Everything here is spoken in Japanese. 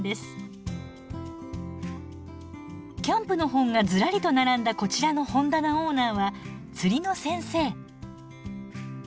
キャンプの本がずらりと並んだこちらの本棚オーナーは釣りの先生。